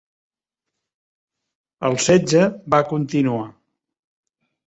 El setge va continuar.